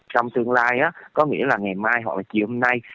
trong tương lai có nghĩa là ngày mai hoặc là chiều hôm nay